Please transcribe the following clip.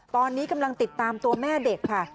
ตอนนี้กำลังติดตามตัวแม่เด็กค่ะ